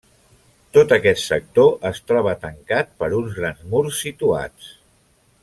Tot aquest sector es troba tancat per uns grans murs situats.